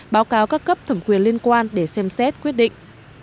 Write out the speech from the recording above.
báo cáo các cấp thẩm quyền liên quan để xem xét quyết định